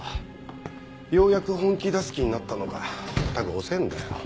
ようやく本気出す気になったのかったく遅ぇんだよ。